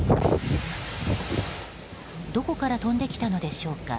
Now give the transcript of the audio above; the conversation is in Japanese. どこから飛んできたのでしょうか。